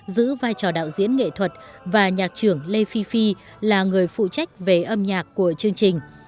giữ vai trò đạo diễn nghệ thuật và nhạc trưởng lê phi phi là người phụ trách về âm nhạc của chương trình